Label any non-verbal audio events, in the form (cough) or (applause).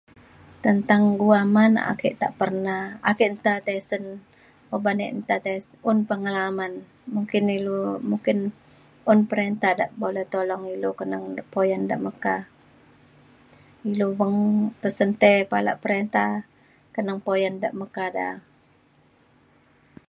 tentang guaman ake tak pernah ake nta ti sen oban nta ti s- un pengalaman mungkin ilu mungkin un perinta dak bole tolong ilu keneng de puyan de meka ilu beng (unintelligible) pa alak perinta neng puyan de meka da